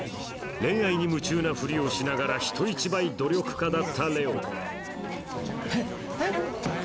恋愛に夢中な振りをしながら人一倍努力家だった玲緒えっ？